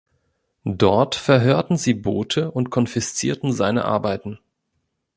Dort verhörten sie Bothe und konfiszierten seine Arbeiten.